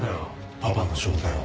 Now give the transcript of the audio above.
パパの正体を。